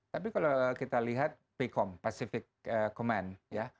tapi kalau kita lihat pcom pacific command